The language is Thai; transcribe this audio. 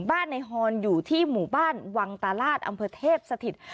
บ้านในฮอนอยู่ที่หมู่บ้านวังตาลาศอำเภอเทพสถิต